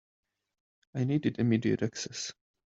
I needed immediate access.